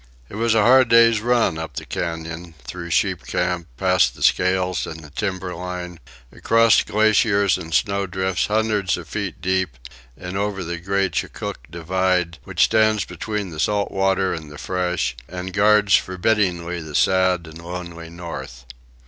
It was a hard day's run, up the Cañon, through Sheep Camp, past the Scales and the timber line, across glaciers and snowdrifts hundreds of feet deep, and over the great Chilcoot Divide, which stands between the salt water and the fresh and guards forbiddingly the sad and lonely North.